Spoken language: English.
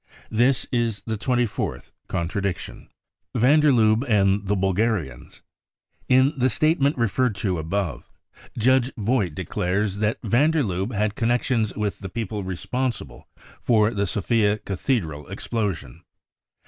This is the twenty fourth contradiction. Van der Lubbe and the Bulgarians. In the statement referred to above, Judge Vogt declares that van der Lubbe had connections with the people responsible for the Sofia cathedral explosion.